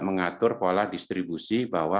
mengatur pola distribusi bahwa